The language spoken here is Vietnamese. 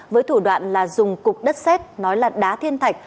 với thủ đoạn là dùng cục đất xét nói là đá thiên thạch